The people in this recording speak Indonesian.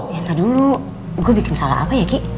ya entah dulu gue bikin salah apa ya ki